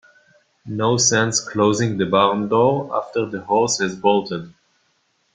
No sense closing the barn door after the horse has bolted.